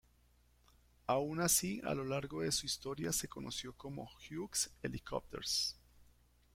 Aun así, a lo largo de su historia se conoció como Hughes Helicopters.